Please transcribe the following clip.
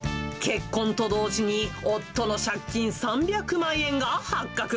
結婚と同時に、夫の借金３００万円が発覚。